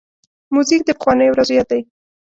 موزیک د پخوانیو ورځو یاد دی.